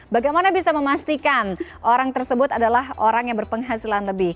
bagaimana bisa memastikan orang tersebut adalah orang yang berpenghasilan lebih